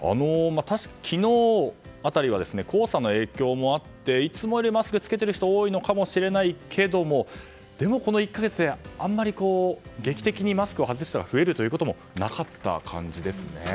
昨日辺りは黄砂の影響もあっていつもよりマスクを着けている人が多いのかもしれないけどもでも、この１か月であまり劇的にマスクを外す人が増えるということもなかった感じですね。